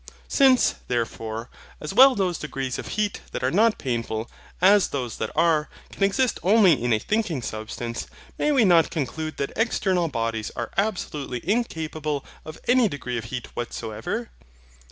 Since, therefore, as well those degrees of heat that are not painful, as those that are, can exist only in a thinking substance; may we not conclude that external bodies are absolutely incapable of any degree of heat whatsoever?